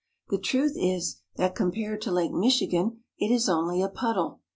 The truth is that compared to Lake Mich igan it is only a puddle.